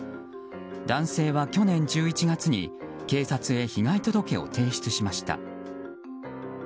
男性は去年１１月に警察へ被害届を提出しました。